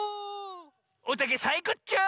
おたけサイコッチョー！